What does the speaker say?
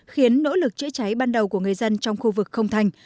khiến nỗ lực chữa cháy ban đầu của người dân trong khu vực không thành